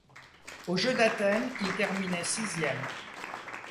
Aux jeux d'Athènes, il terminait sixième.